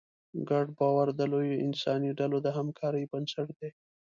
ګډ باور د لویو انساني ډلو د همکارۍ بنسټ دی.